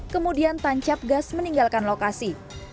kemudian tancap gas meninggalkan lokasi